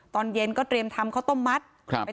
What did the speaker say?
ตอนเย็นก็เตรียมทำข้าวต้มมัด